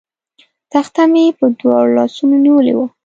تخته مې په دواړو لاسونو نیولې وه.